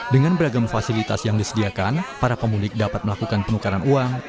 dengan beragam fasilitas yang disediakan para pemudik dapat melakukan penukaran uang